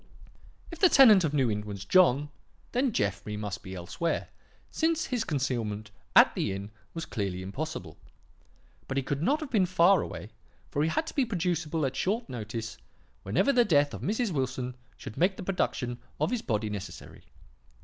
"If the tenant of New Inn was John, then Jeffrey must be elsewhere, since his concealment at the inn was clearly impossible. But he could not have been far away, for he had to be producible at short notice whenever the death of Mrs. Wilson should make the production of his body necessary.